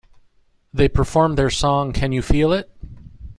They performed their song Can You Feel It?